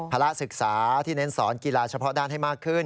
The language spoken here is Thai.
ละศึกษาที่เน้นสอนกีฬาเฉพาะด้านให้มากขึ้น